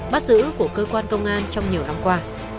bắt giữ của cơ quan công an trong nhiều năm qua